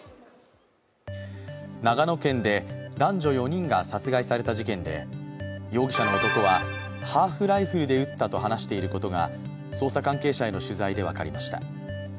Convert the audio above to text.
長野県で男女４人が殺害された事件で容疑者の男はハーフライフルで撃ったと話していることが捜査関係者への取材で分かりました。